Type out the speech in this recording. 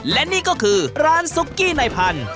และนี่ก็คือร้านซุกกี้ในพันธุ